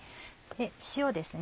塩ですね。